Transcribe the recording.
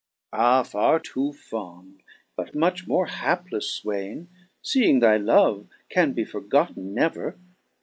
3 '* Ah, farre too fond, but much more haplefle Swaine ! Seeing thy love can be forgotten never.